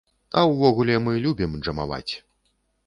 А ўвогуле мы любім джэмаваць.